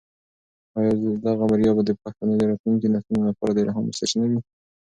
آیا دغه بریا به د پښتنو د راتلونکي نسلونو لپاره د الهام سرچینه وي؟